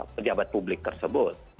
pejabat publik tersebut